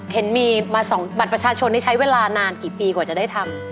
เห็นมีมา๒บัตรประชาชนนี่ใช้เวลานานกี่ปีกว่าจะได้ทำ